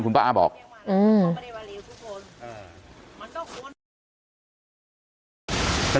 คุณป่าอ้าบอกเอื้อ